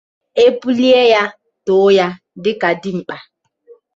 ebulie ya too ya dịka dịmkpa.